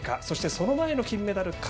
そしてその前の金メダル